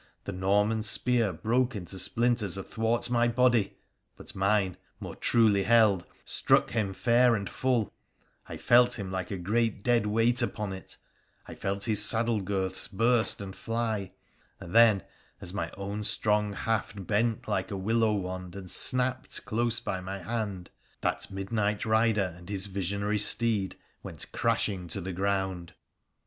The Norman spear broke into splinters athwart my body — but mine, more truly held, struck him fair and full — I felt him like a great dead weight upon it, I felt Ms saddle girths burst and fly, and then, as my own strong haft bent like a willow wand and snapped close by my hand, that midnight rider and his visionary steed went crashing to the ground.